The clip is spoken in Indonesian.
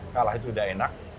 kalah itu tidak enak